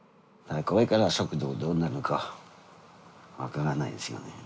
これから食堂どうなるのか分からないですよね。